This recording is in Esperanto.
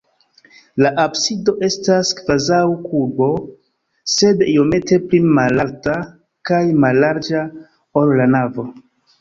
La absido estas kvazaŭ kubo, sed iomete pli malalta kaj mallarĝa, ol la navo.